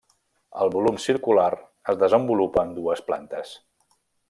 El volum circular es desenvolupa en dues plantes.